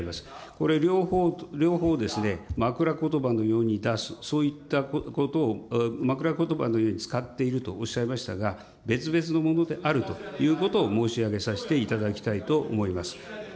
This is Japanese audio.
これ両方ですね、枕詞のように出す、そういったことを、枕詞のように使っているとおっしゃいましたが、別々のものであるということを申し上げさせていただきたいと思い